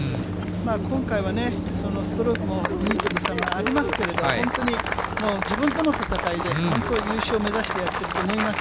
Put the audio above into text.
今回はね、ストロークも、２位との差はありますけど、本当にもう自分との戦いで、本当、優勝目指してやっていると思いま